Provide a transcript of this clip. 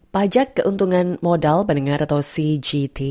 pajak keuntungan modal pendengar atau cgt